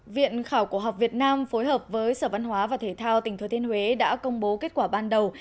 viện khảo cổ học việt nam phối hợp với sở văn hóa và thể thao tỉnh thừa thiên huế đã công bố kết quả ban đầu